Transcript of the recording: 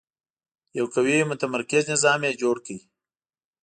یو قوي متمرکز نظام یې جوړ کړ.